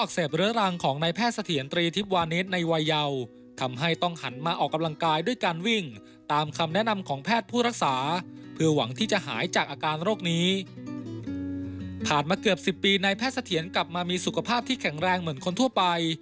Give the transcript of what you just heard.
สิบปีนายแพทย์สะเถียนกลับมามีสุขภาพที่แข็งแรงเหมือนคนทั่วไป